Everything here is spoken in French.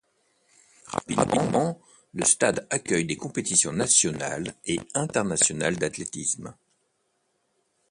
Rapidement le stade accueille des compétitions nationales et internationales d'athlétisme.